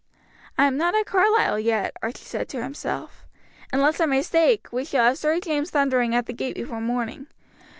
"I am not at Carlisle yet," Archie said to himself. "Unless I mistake, we shall have Sir James thundering at the gate before morning.